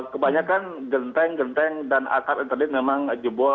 kebanyakan genteng genteng dan akar internet memang jebol